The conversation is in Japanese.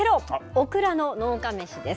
オクラの農家メシです。